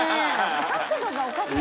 「角度がおかしい。